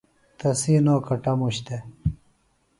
تسی نو کٹموش دےۡ